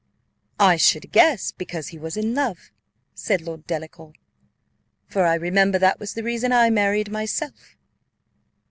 "I should guess because he was in love," said Lord Delacour "for I remember that was the reason I married myself."